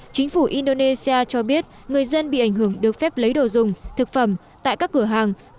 chính phủ indonesia cho biết người dân bị ảnh hưởng được phép lấy đồ dùng thực phẩm tại các cửa hàng